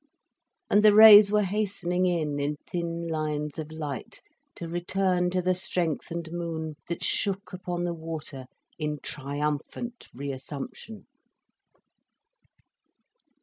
And the rays were hastening in in thin lines of light, to return to the strengthened moon, that shook upon the water in triumphant reassumption.